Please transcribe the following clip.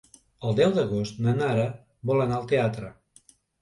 El deu d'agost na Nara vol anar al teatre.